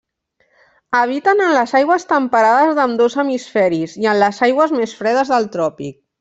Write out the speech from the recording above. Habiten en les aigües temperades d'ambdós hemisferis, i en les aigües més fredes del tròpic.